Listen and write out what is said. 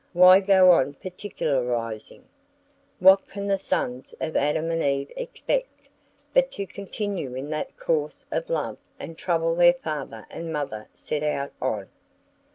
Why go on particularizing? What can the sons of Adam and Eve expect, but to continue in that course of love and trouble their father and mother set out on?